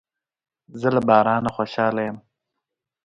زه له بارانه خوشاله یم.